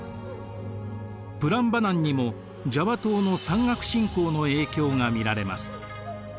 プランバナンにもジャワ島の山岳信仰の影響が見られます。